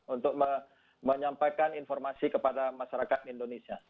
untuk menyampaikan informasi kepada masyarakat indonesia